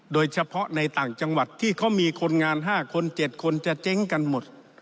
โดยเฉพาะในต่างจังหวัดที่เขามีคนงาน๕คน๗คนจะเจ๊งกันหมด